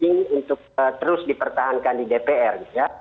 penting untuk terus dipertahankan di dpr